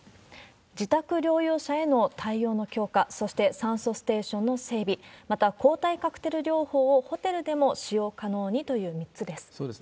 自宅療養者への対応の強化、そして酸素ステーションの整備、また抗体カクテル療法をホテルでも使用可能にという３つです。